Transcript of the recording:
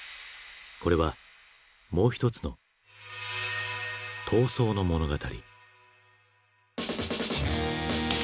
これはもう一つの「逃走」の物語。